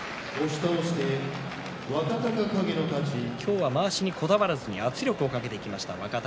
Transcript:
今日もまわしにこだわらず圧力をかけていきました。